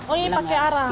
oh ini pakai arang